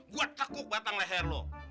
gue tekuk batang leher lo